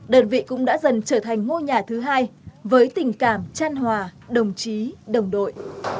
đơn vị cũng đã dần trở thành ngôi nhà thứ hai với tình cảm chăn hòa đồng chí đồng đội